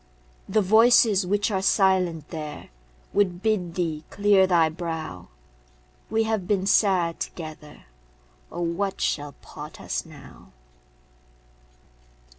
The voices which are silent there Would bid thee clear thy brow; We have been sad together. Oh, what shall part us now?